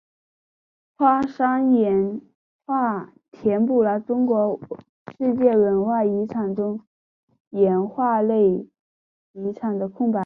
花山岩画填补了中国世界文化遗产中岩画类遗产的空白。